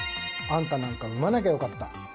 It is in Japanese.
あんたなんか生まなきゃよかった。